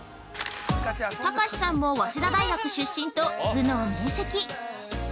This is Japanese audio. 隆司さんも早稲田大学出身と頭脳明せき。